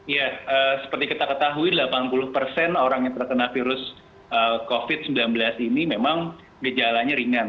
ya seperti kita ketahui delapan puluh persen orang yang terkena virus covid sembilan belas ini memang gejalanya ringan